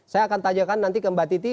saya akan tanyakan nanti ke mbak titi